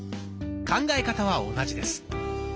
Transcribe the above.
考え方は同じです。